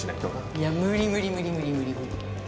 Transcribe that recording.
いや無理無理無理無理無理無理。